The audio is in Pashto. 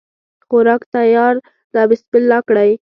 خوراک تیار ده بسم الله کړی